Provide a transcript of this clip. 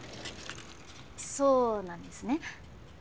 そうなんですね？